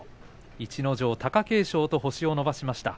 逸ノ城、貴景勝と星を伸ばしました。